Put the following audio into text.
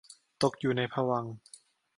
ตกอยู่ในภวังค์